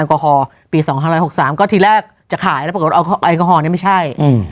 แอลกอฮอล์ปี๒๐๐๓ก็ที่แรกจะขายแล้วเผลอไอกอฮอล์เนี่ยไม่ใช่